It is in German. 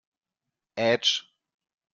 Ätsch!